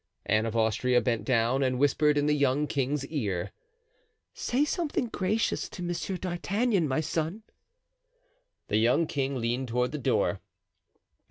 Anne of Austria bent down and whispered in the young king's ear: "Say something gracious to Monsieur d'Artagnan, my son." The young king leaned toward the door.